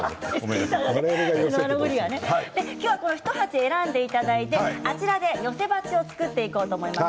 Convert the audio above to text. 今日は１鉢選んでいただいてあちらで寄せ鉢を作っていこうと思います。